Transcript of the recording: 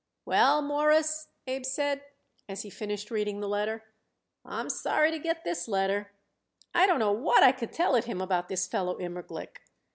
"Well, Mawruss," Abe said, as he finished reading the letter, "I'm sorry to get this letter. I don't know what I could tell it him about this fellow Immerglick.